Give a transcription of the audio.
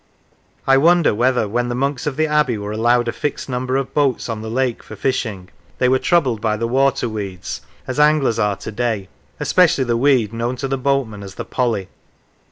I wonder whether, when the monks of the Abbey were allowed a fixed number of boats on the lake for fishing, they were troubled by the waterweeds, as anglers are to day; especially the weed known to the boatmen as the Polly.